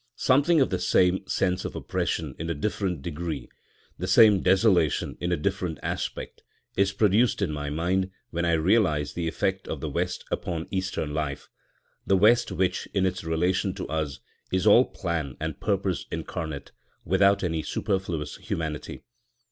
Something of the same sense of oppression in a different degree, the same desolation in a different aspect, is produced in my mind when I realise the effect of the West upon Eastern life—the West which, in its relation to us, is all plan and purpose incarnate, without any superfluous humanity.